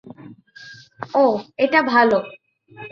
ওহ, এটা ভালো।